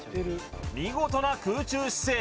見事な空中姿勢